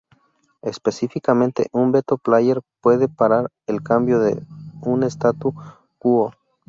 Específicamente, un Veto player puede parar el cambio de un statu quo.